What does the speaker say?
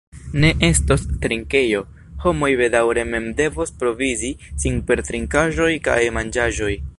Ne estos trinkejo, homoj bedaŭre mem devos provizi sin per trinkaĵoj kaj manĝaĵoj.